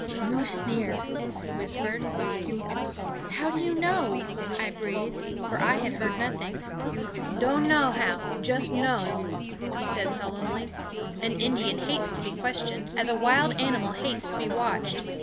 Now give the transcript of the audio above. "Moose near!" he whispered. "How do you know?" I breathed; for I had heard nothing. "Don' know how; just know," he said sullenly. An Indian hates to be questioned, as a wild animal hates to be watched.